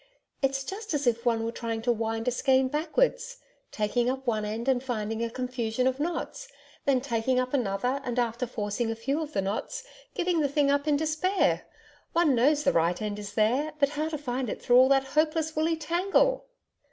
It's just as if one were trying to wind a skein backwards taking up one end and finding a confusion of knots; then, taking up another and after forcing a few of the knots, giving the thing up in despair. One knows the right end is there, but how to find it through all that hopeless, woolly tangle!'